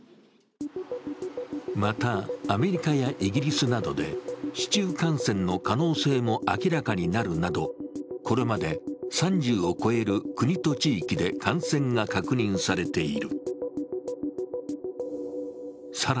また、アメリカやイギリスなどで市中感染の可能性も明らかになるなど、これまで３０を超える国と地域で感染が確認されている。